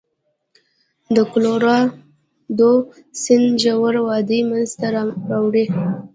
د کلورادو سیند ژوره وادي منځته راوړي.